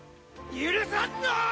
許さんぞ！